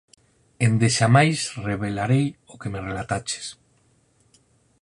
Endexamais revelarei o que me relataches.